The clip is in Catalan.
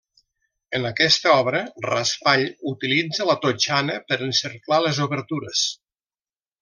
En aquesta obra, Raspall utilitza la totxana per encerclar les obertures.